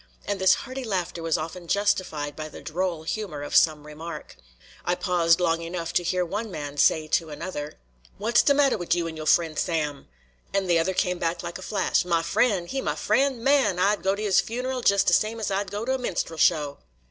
And this hearty laughter was often justified by the droll humor of some remark. I paused long enough to hear one man say to another: "Wat's de mattah wid you an' yo' fr'en' Sam?" and the other came back like a flash: "Ma fr'en'? He ma fr'en'? Man! I'd go to his funeral jes' de same as I'd go to a minstrel show."